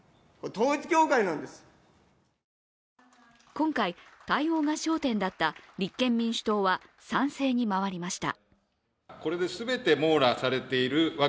今回、対応が焦点だった立憲民主党は賛成に回りました。